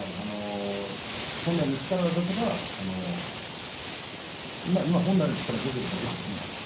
本来の力を出せば今は本来の力が出ているだけですね。